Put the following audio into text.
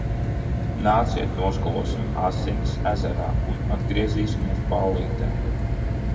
Nāciet, noskalosim asinis ezerā un atgriezīsimies ballītē!